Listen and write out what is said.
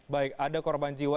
baik ada korban jiwa